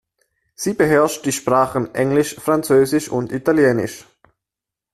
Sie beherrscht die Sprachen Englisch, Französisch und Italienisch.